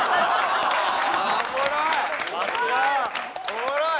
おもろい！